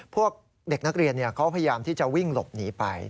พวกเด็กนักเรียนเขาพยายามที่จะวิ่งหลบหนีไป